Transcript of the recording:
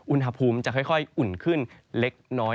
อุณหภูมิจะค่อยอุ่นขึ้นเล็กน้อย